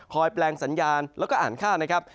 แปลงสัญญาณแล้วก็อ่านค่านะครับ